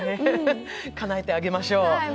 かなえてあげましょう。